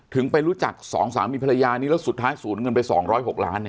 ถึงไปรู้จักสองสามีภรรยานี้แล้วสุดท้ายสูญเงินไปสองร้อยหกล้านเนี่ย